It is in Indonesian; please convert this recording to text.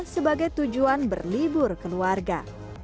sebagai tujuan berlibur keluarga